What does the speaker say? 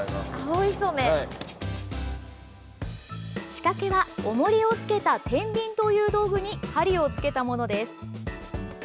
仕掛けは重りをつけたてんびんという道具に針をつけたものです。